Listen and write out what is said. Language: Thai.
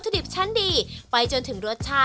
คนที่มาทานอย่างเงี้ยควรจะมาทานแบบคนเดียวนะครับ